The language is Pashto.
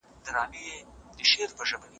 د قرآن کريم ټولي قصې ډيري ښايستې دي.